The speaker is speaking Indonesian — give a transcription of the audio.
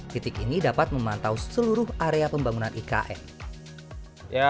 titik ini dapat memantau seluruh area pembangunan ikn